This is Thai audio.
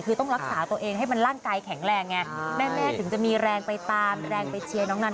คือต้องรักษาตัวเองให้มันร่างกายแข็งแรงไงแม่ถึงจะมีแรงไปตามแรงไปเชียร์น้องนัน